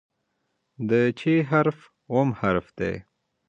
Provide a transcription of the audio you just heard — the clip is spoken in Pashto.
د "چ" حرف اووم حرف دی.